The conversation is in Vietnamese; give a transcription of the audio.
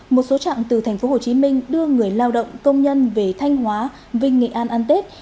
một số chặng từ tp hcm đưa người lao động công nhân về thanh hóa vinh nghệ an ăn tết